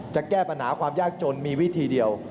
จะแก้ปัญหาความยากจนมีวิธีเดียว